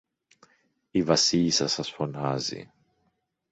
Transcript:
η Βασίλισσα σας φωνάζει.